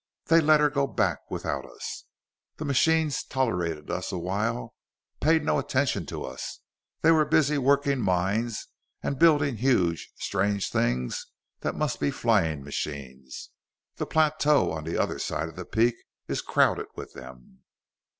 They let her go back without us. The machines tolerated us a while; paid no attention to us; they were busy working mines and building huge, strange things that must be flying machines; the plateau on the other side of the peak is crowded with them.